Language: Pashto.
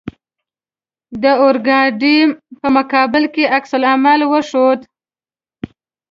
د اورګاډي په مقابل کې عکس العمل وښود.